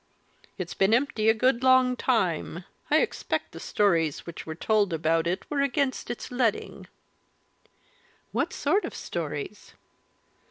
It's been empty a good long time. I expect the stories which were told about it were against its letting." "What sort of stories?"